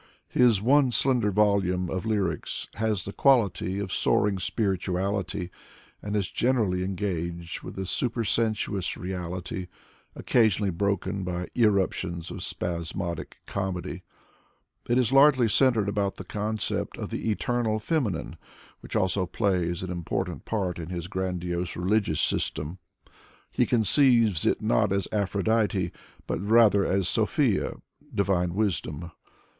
His one slender volume of lyrics has the quality of soaring spirituality, and is generally engaged with a supersensuous reality, occasionally broken by irruptions of spasmodic comedy. It is largely centered about the concept of the Eternal Feminine, which also plays an im portant part in his grandiose religious system. He conceives it not as Aphrodite, but rather as Sophia: Divine Wisdom.